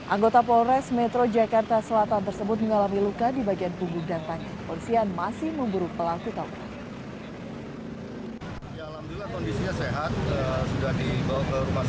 anggota polres metro jakarta selatan tersebut mengalami luka di bagian punggung dan kaki polisian masih memburu pelaku tauran